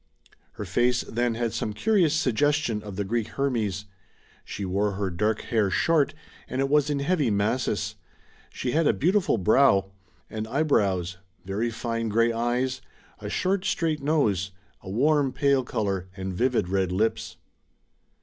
Her face then had some curious suggestion of the Greek Hermes. She wore her dark hair short, and it was in heavy masses. She had a beautiful brow [vii] DORA SIGERSON and eyebrows, very fine grey eyes, a short straight nose, a warm pale colour, and vivid red lips.